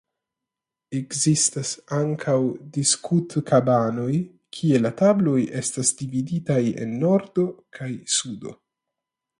Ekzistas ankaŭ diskutkabanoj kie la tabloj estas dividitaj en nordo kaj sudo.